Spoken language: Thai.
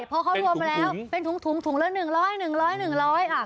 ใช่เพราะเขารวมมาแล้วเป็นถุงถุงแล้ว๑๐๐